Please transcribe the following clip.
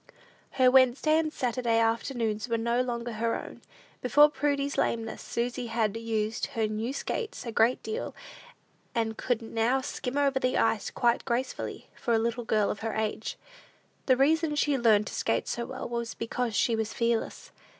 Her Wednesday and Saturday after noons were no longer her own. Before Prudy's lameness, Susy had used her new skates a great deal, and could now skim over the ice quite gracefully, for a little girl of her age. The reason she learned to skate so well, was because she was fearless.